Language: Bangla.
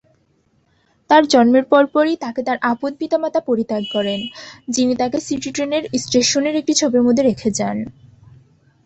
তার জন্মের পরপরই, তাকে তার আপন পিতামাতা পরিত্যাগ করেন, যিনি তাকে সিটি ট্রেন স্টেশনের একটি ঝোপের মধ্যে রেখে যান।